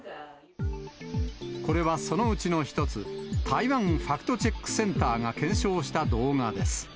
これはそのうちの一つ、台湾ファクトチェックセンターが検証した動画です。